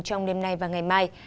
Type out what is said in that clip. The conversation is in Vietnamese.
trong đêm nay và ngày mai